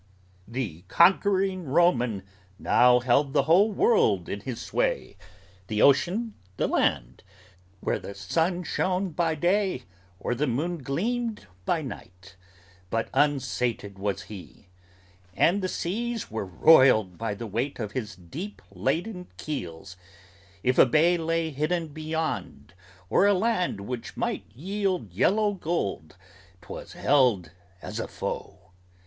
"The conquering Roman now held the whole world in his sway, The ocean, the land; where the sun shone by day or the moon Gleamed by night: but unsated was he. And the seas Were roiled by the weight of his deep laden keels; if a bay Lay hidden beyond, or a land which might yield yellow gold 'Twas held as a foe.